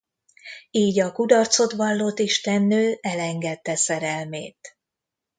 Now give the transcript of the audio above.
Így a kudarcot vallott istennő elengedte szerelmét.